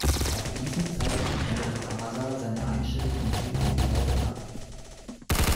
Ab diesem Zeitpunkt änderte Asa seine Einstellung und fiel vom Glauben ab.